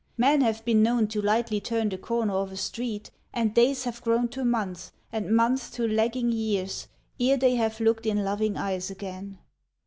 Men have been known to lightly turn the corner of a street, And days have grown to months, and months to lagging years, Ere they have looked in loving eyes again.